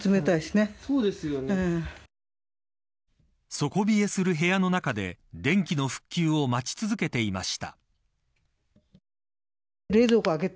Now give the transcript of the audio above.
底冷えする部屋の中で電気の復旧を待ち続けていました